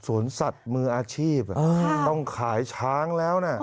สวนสัตว์มืออาชีพต้องขายช้างแล้วนะ